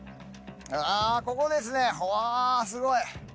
あぁここですねわぁすごい！